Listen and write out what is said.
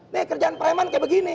nih kerjaan preman kayak begini